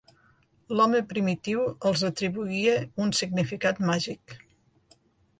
L'home primitiu els atribuïa un significat màgic.